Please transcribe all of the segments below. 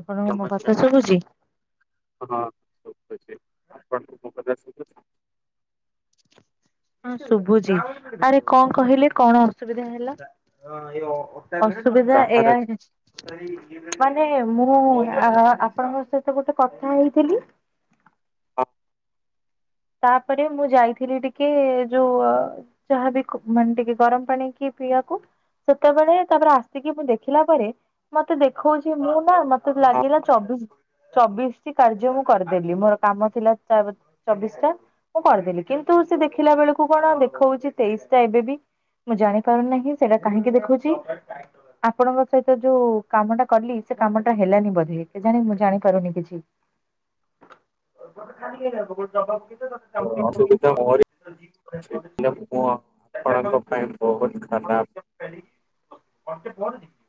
ଆପଣଙ୍କ ମୋ ନମସ୍କାର କଥା ଶୁଭୁଛି? ହଁ ସୁବୁଛି ଆପଣଙ୍କୁ ମୋ କଥା ସୁବୁଛି? ହଁ ଶୁଭୁଛି ଆରେ କଣ କହିଲେ କଣ ଅସୁବିଧା ହେଲା ଅ ସୁବିଧା କାହାର ଏଆଛି। ମାନେ ମୁଁ ଆପଣଙ୍କ ସହିତ ବୋଧେ କଥା ହେଇଥିଲି? ଆ ତାପରେ ମୁଁ ଯାଇଥିଲି ଟିକେ ଯୋଉ ଯାହାବି ମାନେ ଟିକେ ଗରମ ପାଣି କି ପିଇବାକୁ ସେତେବେଳେ ତାପରେ ଆସିକି ମୁଁ ଦେଖିଲା ପରେ ମତେ ଦେଖଉଛି ମୁଁ ନା ମତେ ଲାଗିଲା ଚବିଶ ଚବିଶଟି କାର୍ଯ୍ୟ ମୁଁ କରିଦେଲି ମୋର କାମ ଥିଲା ଚବିଶି। ଏଟା ମୁଁ କରିଦେଲି କିନ୍ତୁ ସେ ଦେଖିଲା ବେଳକୁ କଣ ଦେଖ ହଉଛି ତେଇଶି ଟା ଏବେ ବି। ମୁଁ ଜାଣି ପାରୁ ନାହିଁ ସେଇଟା କାହିଁକି ଦେଖଉଛି ଆପଣଙ୍କ ସହିତ ଯୋଉ କାମ ଟା କଲି ସେ କାମ ଟା ହେଲାନି ବୋଧେ କେଜାଣି ମୁଁ ଜାଣିପାରୁନି କିଛି। [inaudible] ଗୋଟେ ଖାଲି ଖ ହବ ଗୋଟେ ଜବା ପକଛ ତ [unintelligible] ଅ ଅସୁବିଧା ମୋରି। [unintelligible] ଆପଣଙ୍କ ପାଇଁ ବହୁତ ଖରାପ। [unintelligible] [unintelligible]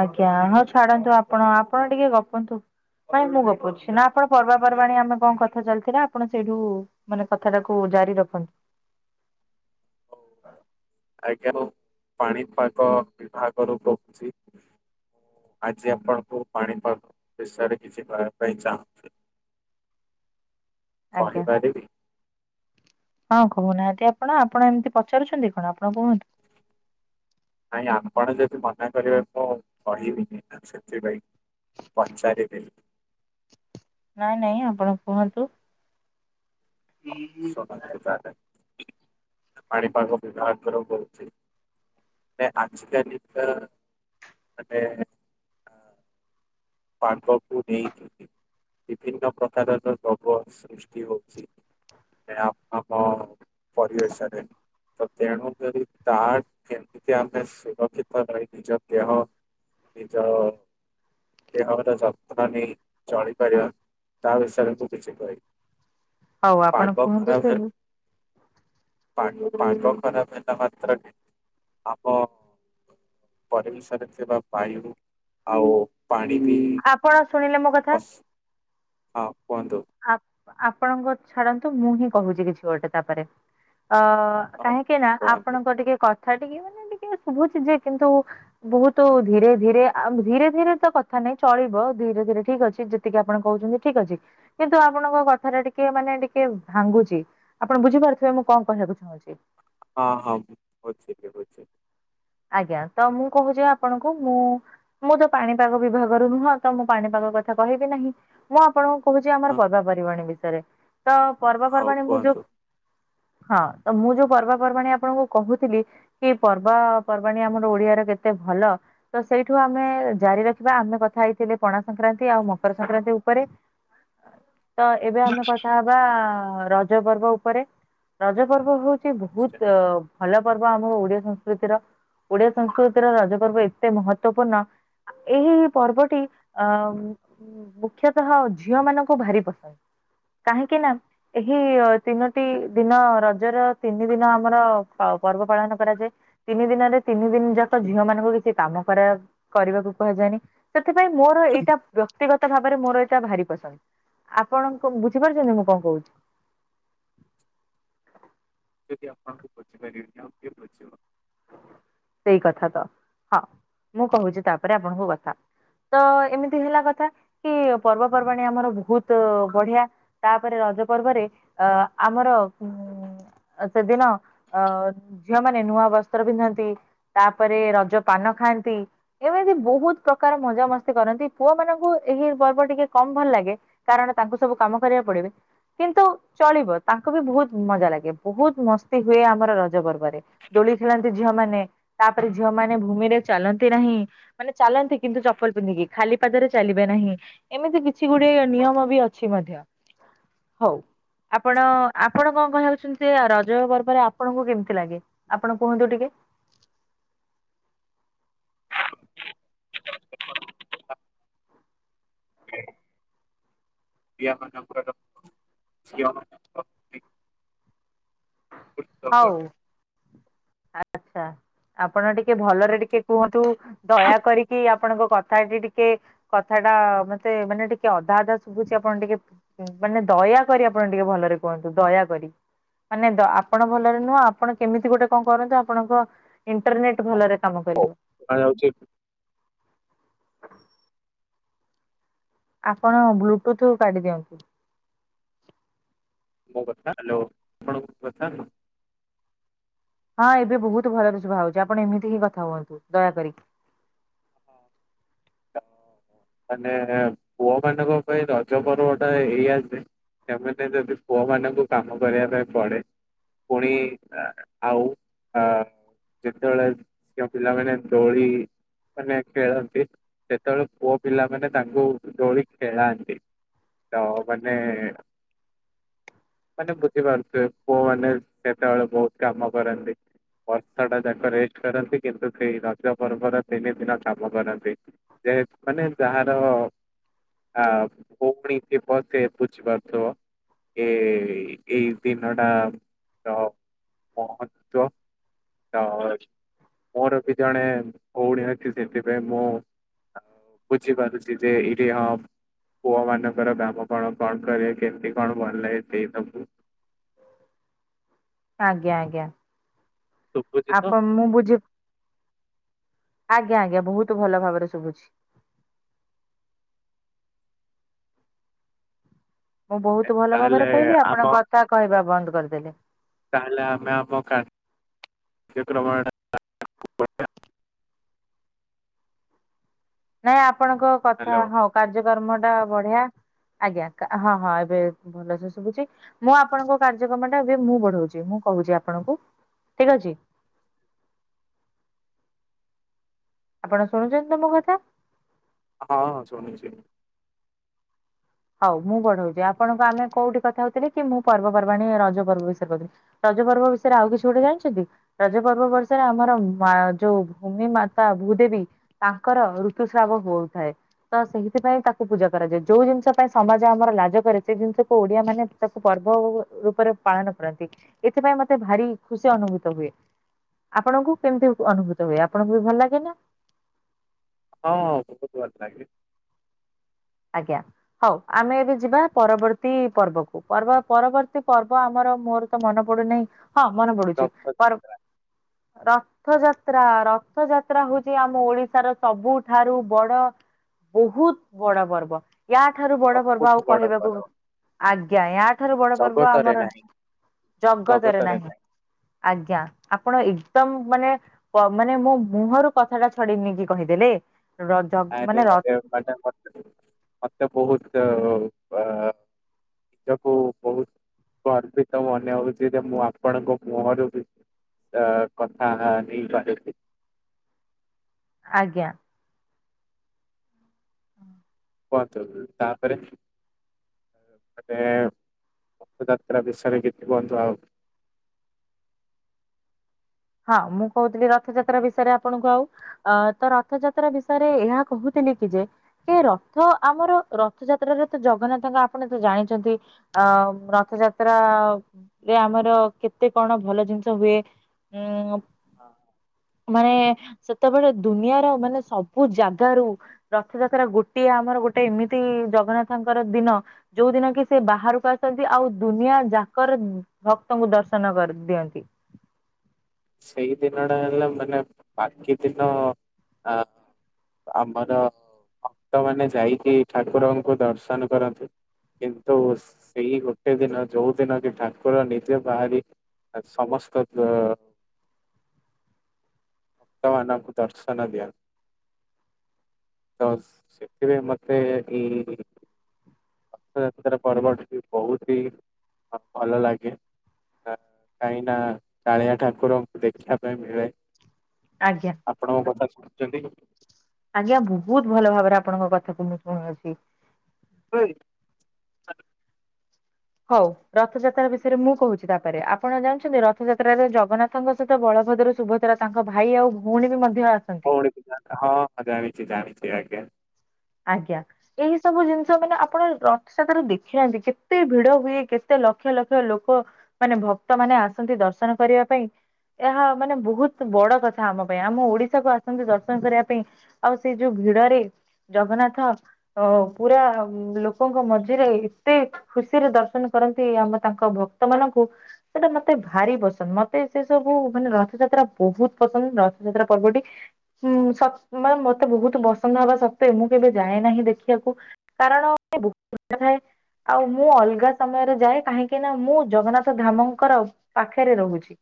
ଆଜ୍ଞା ହଁ ଛାଡନ୍ତୁ ଆପଣ ଆପଣ ଟିକେ ଗପନ୍ତୁ? ନାଇଁ ମୁଁ ଗପୁଛି ନା ଆପଣ ପର୍ବାପର୍ବାଣଣି ଆମେ କଣ କର? କଥା ଚାଲିଥିଲା ଆପଣ ସେଇଠୁ ମାନେ କଥାଟାକୁ ଜାରି ରଖନ୍ତୁ। ଆଜ୍ଞା ମୁଁ ପାଣିପାଗ ବିଭାଗରୁ କହୁଛି। ଆଜି ଆପଣଙ୍କୁ ପାଣି ପାଗ ବିଷୟରେ କିଛି କହିବା ପାଇଁ ଚାହୁଁଛି। ଆଜ୍ଞା କଣପାରିବି? ହଁ କହୁନାହାନ୍ତି ଆପଣ ଆପଣ ଏମିତି ପଚାରୁଛନ୍ତି କଣ ଆପଣ କୁହନ୍ତୁ? ନାଇଁ ଆପଣ ଯଦି ମନା କରିବେ ମୁଁ କହିବିନି ସେଥିପାଇଁ। ପଞ୍ଚାରିବି। ନାଇଁ ନାଇଁ ଆପଣ କୁହନ୍ତୁ? ହୁଁ ହୁଁ। ପାଣି ପାଗ ବିଭାଗରୁ କହୁଛି। ଆଜିିକାଲି ତ ମାନେ ପାଗକୁ ନେଇକିନି ବିଭିନ୍ନ ପ୍ରକାରର ଦ୍ରବ ସୃଷ୍ଟି ହଉଛି। ଏ ଆମର ପରିବେଷରେ ତ ତେଣୁକରି ତା କେମିତି ଆମେ ସୁରକ୍ଷିତ ରହି ନିଜ ଦେହ ନିଜ ଅ ଦେହର ଯତ୍ନ ନେଇ ଚଳିପାରିବା ତା ବିଷୟରେ ମୁଁ କିଛି କହିବି। ହଉ ଆପଣ ପାଗ କୁହନ୍ତୁ ସେ ଖରାପ ହେଲେ ପାଗ ଖରାପ ହେଲା ମାତ୍ରକେ ଆମ ପରିବେଶରେ ଥିବା ବାୟୁ ଆଉ ପାଣି ବି ଆପଣ ଶୁଣିଲେ ମୋ କଥା। ଅସ ହଁ କୁହନ୍ତୁ? ଆପଣଙ୍କ ଛାଡ଼ନ୍ତୁ ମୁଁ ହିଁ କହୁଛି କିଛି ଗୋଟେ ତାପରେ ଅ ହଁ କାହିଁକି ନା କୁହନ୍ତୁ ଆପଣଙ୍କ ଟିକେ କଥା ଟିକେ ମାନେ ଟିକେ ଶୁଭୁଛି ଯେ କିନ୍ତୁ ବହୁତ ଧୀରେ ଧୀରେ ଧୀରେ ଧୀରେ ତ କଥା ନାଇଁ ଚଳିବ ଧୀରେ ଧୀରେ ଠିକ ଅଛି ଜେତିିକେ ଆପଣ କହୁଛନ୍ତି ଠିକ ଅଛି। କିନ୍ତୁ ଆପଣଙ୍କ କଥା ଟା ଟିକେ ମାନେ ଟିକେ ଭାଙ୍ଗୁଛି ଆପଣ ବୁଝିପାରୁଥିବେ ମୁଁ କଣ କହିବାକୁ ଚାହୁଁଛି। ହଁ ହଁ ବୁଝିଲି ବୁଝିଲି। ଆଜ୍ଞା ତ ମୁଁ କହୁଚି ଆପଣଙ୍କୁ ମୁଁ ମୁଁ ତ ପାଣିପାଗ ବିଭାଗରୁ ନୁହଁ ତ ମୁଁ ପାଣିପାଗ କଥା କହିବି ନାହିଁ ମୁଁ ଆପଣ ମୁଁ କହୁଚି ହଁ ଆମର ପର୍ବାପର୍ବାଣୀ ବିଷୟରେ ତ ହଉ ପର୍ବପର୍ବାଣୀ ମୁଁ ଯୋଉ କୁହନ୍ତୁ ହଁ ତ ମୁଁ ଯୋଉ ପର୍ବପର୍ବାଣି ଆପଣଙ୍କୁ କହୁଥିଲି କି ପର୍ବ ପର୍ବାଣୀ ଆମର ଓଡ଼ିଆରେ କେତେ ଭଲ। ତ ସେଇଠୁ ଆମେ ଜାରି ରଖିବା। ଆମେ କଥା ହେଇଥିଲେ ପଣା ସଂକ୍ରାନ୍ତି‌ ଆଉ ମକର ସଂକ୍ରାନ୍ତି ଉପରେ। [inaudible] ତ ଏବେ ଆମେ କଥା ହବା ରଜପର୍ବ ଉପରେ। ରଜ ପର୍ବ ହୋଉ ଚି ବହୁତ୍ ଭଲ ପର୍ବ ଆମ ଓଡ଼ିଆ ସଂସ୍କୃତିର। ଓଡ଼ିଆ ସଂସ୍କୃତିର ରଜ ପର୍ବ ଏତେ ମହତ୍ତ୍ବପୂର୍ଣ୍ଣ। ଆ ଏହି ପର୍ବଟି ଅ ମୁଖ୍ୟତଃ ଝିଅ ମାନଙ୍କୁ ଭାରି ପସନ୍ଦ। କାହିଁକି ନା ଏହି ତିନୋଟି ଦିନ ରଜର ତିନିଦିନ ଆମର ପାଉ ପର୍ବ ପାଳନ କରାଯାଏ। ତିନିଦିନରେ ତିନିଦିନ ଯାକ ଝିଅ ମାନଙ୍କୁ କିଛି କାମ କରା କରିବାକୁ କୁହାଯାଏନି। ସେଥିପାଇଁ ମୋର ଏଇଟା ବ୍ୟକ୍ତିଗତ ଭାବରେ ମୋର ଏଟା ଭାରି ପସନ୍ଦ ଆପଣଙ୍କୁ ବୁଝିପାରୁଚନ୍ତି ମୁଁ କଣ କହୁଚି। ଯଦି ଆପଣଙ୍କୁ ବୁଝିପାରିବିନି ଆଉ କିଏ ବୁଝିବ। ସେଇ କଥା ତ। ହଁ। ମୁଁ କହୁଚି ତାପରେ ଆପଣଙ୍କୁ କଥା। ତ ଏମିତି ହେଲା କଥା କି ପର୍ବପର୍ବାଣିୀ ଆମର ବହୁତ ବଢିଆ ତାପରେ ରଜ ପର୍ବରେ ଅ ଆମର ଉ ସେଦିନ ଅ ଝିଅ ମାନେ ନୂଆ ବସ୍ତ୍ର ପିନ୍ଧନ୍ତି। ତାପରେ ରଜ ପାନ ଖାଆନ୍ତି। ଏମିତି ବହୁତ ପ୍ରକାର ମଜା ମସ୍ତି କରନ୍ତି ପୁଅ ମାନଙ୍କୁ ଏହି ପର୍ବ ଟିକେ କମ ଭଲ ଲାଗେ। କାରଣ ତାଙ୍କୁ ସବୁ କାମ କରିବାକୁ ପଡିବ। କିନ୍ତୁ ଚଳିବ ତାଙ୍କୁ ବି ବହୁତ ମଜା ଲାଗେ ବହୁତ ମସ୍ତି ହୁଏ ଆମର ରଜ ପର୍ବରେ। ଦୋଳି ଖେଳନ୍ତି ଝିଅ ମାନ ତାପରେ ଝିଅ ମାନ ଭୂମିରେ ଚାଲନ୍ତି ନାହିଁ। ମାନେ ଚାଲନ୍ତି କିନ୍ତୁ ଚପଲ ପିନ୍ଧିକି ଖାଲି ପାଦରେ ଚାଲିବେ ନାହିଁ। ଏମିତି କିଛି ଗୁଟେ ନିୟମ ବି ଅଛି ମଧ୍ୟ ହଉ। ଆପଣ-ଅ ଆପଣ କଣ କ ହଉଛନ୍ତି ସେ ରଜ ପର୍ବରେ ଆପଣଙ୍କୁ କେମିତି ଲାଗେ? ଆପଣ କୁହନ୍ତୁ ଟିକେ? [unintelligible] ହଉ [unintelligible] ଆଚ୍ଛା ଆପଣ ଟିକେ ଭଲରେ ଟିକେ କୁହନ୍ତୁ ଦୟା କରିକି ଆପଣଙ୍କ କଥାଟଏଠି ଟିକେ କଥା ଟା-ଆ-ଆ ମତେ ମାନେ ଟିକେ ଅଧା ଅଧା ଶୁଭୁଛି ଆପଣ ଟିକେ ହୁଁ ମାନେ ଦୟାକରି ଆପଣ ଟିକେ ଭଲରେ କୁହନ୍ତୁ ଦୟା କରି। ମାନେ ଦ ଆପଣ ଭଲରେ ନୁହଁ ଆପଣ କେମିତି ଗୋଟେ କଣ କରନ୍ତୁ ଆପଣଙ୍କ ଇଣ୍ଟରନେଟ ଭଲରେ କାମ କରିବ। ଶୁଣା ଯାଉଛି ଆପଣ ବ୍ଲୁଟୁଥ କାଢି ଦିଅନ୍ତୁ। ମୋ କଥା ହ୍ୟାଲୋ ହଁ ଏବେ ବହୁତ ଭଲରେ ଶୁଭା ହଉଛି ଆପଣ ଏମିତି ହିଁ କଥା ହୁଅନ୍ତୁ ଦୟା କରିକି। ହଁ ମାନେ-ଏ-ଏ-ଏ ପୁଅ ମାନଙ୍କ ପାଇଁ ରଜ ପର୍ବଟା ଏଇଆ ଯେ ସେମାନେ ଯଦି ପୁଅ ମାନଙ୍କୁ କାମ କରିବା ପାଇଁ ପଡେ ପୁଣି-ଇ ଆ ଆଉ ଆ ଯେତେବେଳେ ଝିଅ ପିଲାମାନେ ଦୋଳି ମାନେ ଖେଳନ୍ତି ସେତେବେଳେ ପୁଅ ପିଲାମାନେ ତାଙ୍କୁ ଦୋଳି ଖେଳାନ୍ତି। ତ ମାନେ-ଏ-ଏ-ଏ ମାନେ ବୁଝିପାରୁଥିବେ ପୁଅ ମାନେ ସେତେବେଳେ ବହୁତ କାମ କରନ୍ତି। ବର୍ଷା ଟା ଯାକ ରେଷ୍ଟ କରନ୍ତି କିନ୍ତୁ ସେଇ ରଜ ପର୍ବର ତିନି ଦିନ କାମ କରନ୍ତି ଯେହେତୁ ମାନେ ଯାହାର-ଅ-ଅ ଆ-ଆ-ଆ [unintelligible] ଥିବ ସେ ବୁଝି ପାରୁଥିବ। ଏ-ଏ-ଏ ଏଇ ଦିନଟା ତ ମହତ୍ଵ। ତ-ଅ-ଅ ମୋର ବି ଜଣେ ଭଉଣୀ ଅଛି ସେଥିପାଇଁ ମୁଁ ବୁଝିପାରୁଛି ଯେ ଏଇଠି ହଁ ପୁଅ ମାନଙ୍କର କାମ କଣ, କଣ କରେ, କେମିତି କଣ ଭଲ ଲାଗେ ସେଇ ସବୁ। ଆଜ୍ଞା ଆଜ୍ଞା ଶୁଭୁଛି ତ? ଆପଣ ମୁଁ ବୁଝି ଆଜ୍ଞା ଆଜ୍ଞା ବହୁତ ଭଲ ଭାବରେ ଶୁଭୁଛି। ମୁଁ ବହୁତ ଭଲ ତାହେଲେ ଭାବରେ କହିଲି ଆପଣ ଆମ କଥା କହିବା ବନ୍ଦ କରିଦେଲେ। ତାହେଲେ ଆମେ ଆମ କା [unintelligible] ନାଇଁ ଆପଣଙ୍କ କଥା ହ୍ୟାଲୋ। ହଁ କାର୍ଯ୍ୟକ୍ରମ ଟା ବଢିଆ ଆଜ୍ଞା କା ହଁ ହଁ ଏବେ ଏବ୍ ଭଲସେ ଶୁଭୁଛି ମୁଁ ଆପଣଙ୍କ କାର୍ଯ୍ୟକ୍ରମ ଟା ଏବେ ମୁଁ ବଢଉଛି ମୁଁ କହୁଛି ଆପଣଙ୍କୁ। ଠିକ୍ ଅଛି? ଆପଣ ଶୁଣୁଛନ୍ତି ତ ମୋ କଥା? ହଁ ହଁ ଶୁଣୁଛି। ହଉ ମୁଁ ବଢଉଛି ଆପଣଙ୍କୁ ଆମେ କୋଉଠି କଥା ହଉଥିଲେ କି ମୁଁ ପର୍ବପର୍ବାଣି ରଜ ପର୍ବ ବିଷୟରେ କହୁଥିଲି। ରଜ ପର୍ବ ବିଷୟରେ ଆଉ କିଛି ଗୋଟେ ଜାଣିଛନ୍ତି? ରଜ ପର୍ବ ବର୍ଷରେ ଆମର ମା ଯୋଉ ଭୂମି ମାତା ଭୂଦେବୀ ତାଙ୍କର ଋତୁସ୍ରାବ ବହୁ ଥାଏ ତ ସେଇଥିପାଇଁ ତାକୁ ପୂଜା କରାଯାଏ ଯୋଉ ଜିନିଷ ପାଇଁ ସମାଜ ଆମର ଲାଜ କରେ ସେ ଜିନିଷକୁ ଓଡିଆ ମାନେ ତାକୁ ପର୍ବ ଓ-ଓ ରୂପରେ ପାଳନ କରନ୍ତି। ଏଥିପାଇଁ ମତେ ଭାରି ଖୁସି ଅନୁଭୂତ ହୁଏ। ଆପଣଙ୍କୁ କେମତି ଉ ଅନୁଭୂତ ହୁଏ? ଆପଣଙ୍କୁ ବି ଭଲ ଲାଗେ ନା? ହଁ ବହୁତ୍ ଭଲ ଲାଗେ। ଆଜ୍ଞା। ହଉ ଆମେ ଏବେ ଯିବା ପରବର୍ତ୍ତୀ ପର୍ବକୁ। ପର୍ବ ପରବର୍ତ୍ତୀ ପର୍ବ ଆମର ମୋର- ତ ମନ ପଡୁନାହିଁ। ହଁ ମନେ ପଡୁଚି। ପର୍ [inaudible] ର ରଥଯାତ୍ରା। ରଥଯାତ୍ରା ହୋଉଚି ଆମ ଓଡିଶାର ସବୁଠାରୁ ବଡ- ବହୁତ୍ ବଡ ପର୍ବ। ୟା ଠାରୁ ବଡ ପର୍ବ ସବୁଠୁ ଆଉ ବଡ କହିବାକୁ ପର୍ବ। ଆଜ୍ଞା। ୟା ଠାରୁ ବଡ ପର୍ବ ଜଗତରେ ଆମର- ନାହିଁ ଜଗତରେ ନାହିଁ। ଆଜ୍ଞା ଆପଣ ଏକଦମ୍ ମାନେ- ପ ମାନେ ମୋ ମୁହଁରୁ କଥାଟା ଛଡେଇ ନେଇକି କହିଦେଲେ ରଜ୍- ଆରେ ମନେ [inaudible] ମତେ ମତେ ବହୁତ ଅ ନିଜକୁ ବହୁତ୍ ଗର୍ବିତ ମନେ ହେଉଚିଯେ ମୁଁ ଆପଣଙ୍କ ମୁହଁରୁ କି- ଅ କଥା ନେଇପାରୁଚି। ଆଜ୍ଞା। କୁହନ୍ତୁ ତାପରେ? ମାନେ ରଥଯାତ୍ରା ବିଷୟରେ କିଛି କୁହନ୍ତୁ ଆଉ? ହଁ ମୁଁ କହୁଥିଲି ରଥଯାତ୍ରା ବିଷୟରେ ଆପଣଙ୍କୁ ଆଉ। ଅ ତ ରଥଯାତ୍ରା ବିଷୟରେ ଏହା କହୁଥିଲି କି ଯେ- ଏ ରଥ ଆମର ରଥଯାତ୍ରାରେ ତ ଜଗନ୍ନାଥଙ୍କ ଆପଣ ତ ଜାଣିଚନ୍ତି। ଅ ରଥଯାତ୍ରା ରେ ଆମର କେତେ କଣ ଭଲ ଜିନିଷ ହୁଏ। ଉଁ ହଁ ମାନେ। ସେତେବେଳେ ଦୁନିଆର ମାନେ ସବୁ ଜାଗାରୁ- ରଥଯାତ୍ରା ଗୋଟିଏ ଆମର ଗୋଟେ ଏମିତି ଜଗନ୍ନାଥଙ୍କର ଦିନ। ଯୋଉଁ ଦିନ କି ସେ ବାହାରକୁ ଆସନ୍ତି। ଆଉ ଦୁନିଆ ଯାକର- ଭକ୍ତ ଙ୍କୁ ଦର୍ଶନ କରି ଦିଅନ୍ତି। ସେଇଦିନଡ଼ା ହେଲା ମାନେ ବାକି ଦିନଅଁ ଆ। ଆମର ଭକ୍ତମାନେ ଯାଇକି ଠାକୁରଙ୍କୁ ଦର୍ଶନ କରନ୍ତି। କିନ୍ତୁ ସେଇ ଗୋଟେ ଦିନ ଯୋଉଁ ଦିନକି ଠାକୁର ନିଜେ ବାହାରି ଆ ସମସ୍ତ ଗଁ। ଭକ୍ତମାନଙ୍କୁ ଦର୍ଶନ ଦିଅନ୍ତି। ତ ସେଥିପେଇଁ ମତେ ଇଁ। ରଥଯାତ୍ରା ପର୍ବ ଟି ବହୁତି ମତେ ଭଲ ଲାଗେ। ନାଁ କାହିଁନା କାଳିଆ ଠାକୁରଙ୍କୁ ଦେଖିବା ପାଇଁ ମିଳେ। ଆଜ୍ଞା। ଆପଣଙ୍କ ମୋ କଥା ଶୁଣୁଚନ୍ତି? ଆଜ୍ଞା ବହୁତ୍ ଭଲ ଭାବରେ ଆପଣଙ୍କ କଥାକୁ ମୁଁ ଶୁଣୋଉଚି। ହୋଇ। ହଉ ରଥଯାତ୍ରା ବିଷୟରେ ମୁଁ କହୁଛି ତାପରେ। ଆପଣ ଜାଣିଛନ୍ତି ରଥଯାତ୍ରାରେ ଜଗନ୍ନାଥ- ତାଙ୍କ ସହିତ ବଳଭଦ୍ର ସୁଭଦ୍ରା ତାଙ୍କ ଭାଇ ଆଉ ଭଉଣୀ ବି ମଧ୍ୟ ଆସ୍ ଭଉଣୀକୁ ତ ହଃ ଜାଣିଚି ଜାଣିଚି ଆଜ୍ଞା। ଆଜ୍ଞା। ଏହି ସବୁ ଜିନିଷ ମାନେ ଆପଣ ରଥଯାତ୍ରାରେ ଦେଖିନାହାନ୍ତି। କେତେ ଭିଡ ହୁଏ କେତେ ଲକ୍ଷ ଲକ୍ଷ ଲୋକ। ମାନେ ଭକ୍ତମାନେ ଆସନ୍ତି ଦର୍ଶନ କରିବା ପାଇଁ। ଏହା ମାନେ ବହୁତ ବଡ କଥା ଆମ ପାଇଁ ଆମ ଓଡିଶାକୁ ଆସନ୍ତି ଦର୍ଶନ କରିବା ପାଇଁ। ଆଉ ସେଇ ଯୋଉ ଭିଡରେ ଜଗନ୍ନାଥ। ଅ ପୁରା ଲୋକଙ୍କ ମଝିରେ ଏତେ। ଖୁସିରେ ଦର୍ଶନ କରନ୍ତି ଆମେ ତାଙ୍କ ଭକ୍ତ ମାନଙ୍କୁ। ସେଟା ମତେ ଭାରି ପସନ୍ଦ ମତେ ସେସବୁ ମାନେ ରଥଯାତ୍ରା ବହୁତ ପସନ୍ଦ ରଥଯାତ୍ରା ପର୍ବଟି। ହୁଁ ସକ୍ସ ମତେ ବହୁତ ବର୍ଷ ନୁହଁ ଅବଶ୍ୟ। କି ମୁଁ କେବେ ଯାଏ ନାହିଁ ଦେଖିବାକୁ କାରଣ ବହୁତ [unintelligible] ଥାଏ ଆଉ ମୁଁ ଅଲଗା ସମୟରେ ଯାଏ କାହିଁକି ନାଁ ମୁଁ ଜଗନ୍ନାଥଧାମଙ୍କର। ପାଖେରେ ରହୁଛି।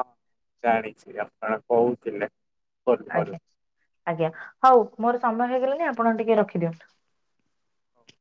ହଁ ମୁଁ ଜାଣିଛି ଆପଣ କହୁଥିଲେ। ଫୋନ କରୁ ଆଜ୍ଞା ଆଜ୍ଞା ହଉ ମୋର ସମୟ ହେଇଗଲାଣିି ଆପଣ ଟିକେ ରଖିଦିଅନ୍ତୁ। ହ ଉ।